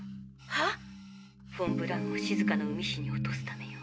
はあ⁉フォン・ブラウンを静かの海市に落とすためよ。